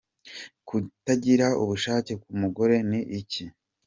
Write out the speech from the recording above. Kutagira ubushake ku mugore ni iki?.